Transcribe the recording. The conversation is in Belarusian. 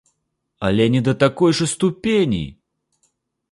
Але не да такой жа ступені!